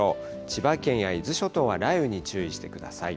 千葉県や伊豆諸島は雷雨に注意してください。